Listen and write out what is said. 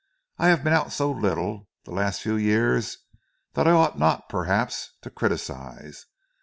"I have been out so little, the last few years, that I ought not, perhaps, to criticise.